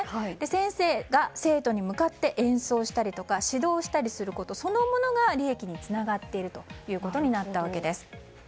先生が生徒に向かって演奏したりとか指導したりすることそのものが利益につながっているということになったわけです。